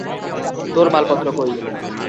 তোর মালপত্র কই?